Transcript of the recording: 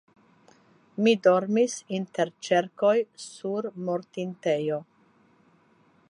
Mi dormis inter ĉerkoj sur mortintejo.